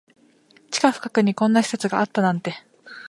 地下深くにこんな施設があったなんて